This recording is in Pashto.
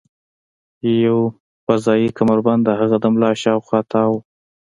یو فضايي کمربند د هغه د ملا شاوخوا تاو و